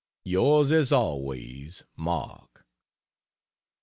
Yours as always MARK.